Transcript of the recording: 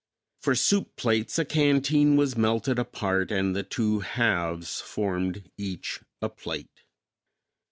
For soup plates a canteen was melted apart and the two halves formed each a plate.